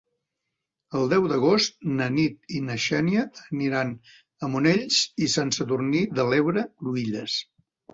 El deu d'agost na Nit i na Xènia aniran a Monells i Sant Sadurní de l'Heura Cruïlles.